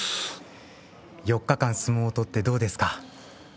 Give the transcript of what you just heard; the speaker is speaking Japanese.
４日間相撲を取ってどうですか。